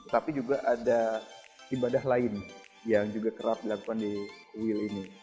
tapi juga ada ibadah lain yang juga kerap dilakukan di uil ini